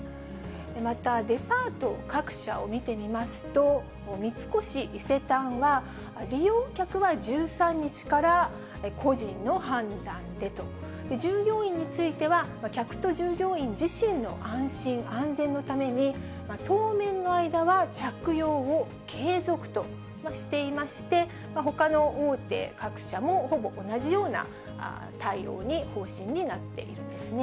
また、デパート各社を見てみますと、三越伊勢丹は、利用客は１３日から個人の判断でと、従業員については、客と従業員自身の安心安全のために、当面の間は着用を継続としていまして、ほかの大手各社もほぼ同じような対応に、方針になっているんですね。